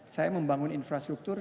saya membangun infrastruktur